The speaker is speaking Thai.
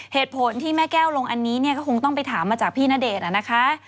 เหตุผลที่แม่แก้วลงอันนี้เนี่ยก็คงต้องไปถามมาจากพี่ณเดชน์นะคะ